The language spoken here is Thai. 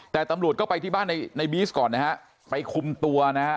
แต่ตำรวจก็ไปที่บ้านในในบีซก่อนนะฮะไปคุมตัวนะฮะ